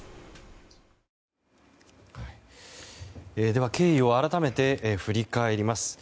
では、経緯を改めて振り返ります。